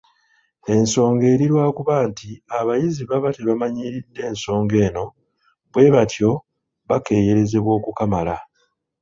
Ensonga eri lwakuba nti abayizi baba tebamanyiridde nsonga eno, bwe batyo bakeeyerezebwa okukamala.